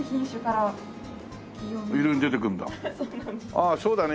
ああそうだね。